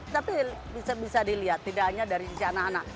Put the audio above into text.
tapi bisa dilihat tidak hanya dari sisi anak anak